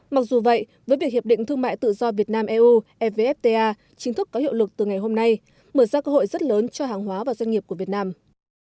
mặc dù vậy với việc hiệp định thương mại tự do việt nam eu evfta chính thức có hiệu lực từ ngày hôm nay mở ra cơ hội rất lớn cho hàng hóa và doanh nghiệp của việt nam